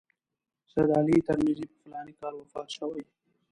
سید علي ترمذي په فلاني کال کې وفات شوی.